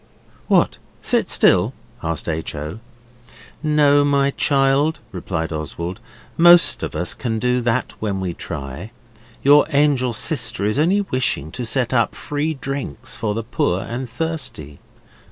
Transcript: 'What, sit still?' asked H. O. 'No, my child,' replied Oswald, 'most of us can do that when we try. Your angel sister was only wishing to set up free drinks for the poor and thirsty.